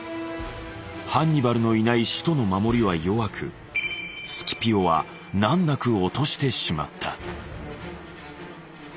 ハンニバルのいない首都の守りは弱くスキピオは難なく落としてしまった。